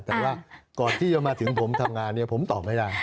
แต่ว่าก่อนที่จะมาถึงผมทำงานเนี่ยผมตอบไม่ได้